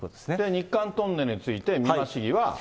日韓トンネルについて美馬市議は。